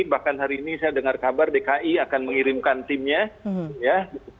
bahkan hari ini saya dengar kabar dki akan mengirimkan timnya ya